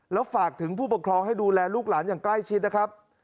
แล้วฝากถึงผู้ปกครองให้ดูแลลูกหลานอย่างใกล้ชิดนะครับ